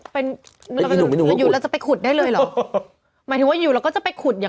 เป็นอยู่แล้วจะไปขุดได้เลยเหรอหมายถึงว่าอยู่แล้วก็จะไปขุดอย่าง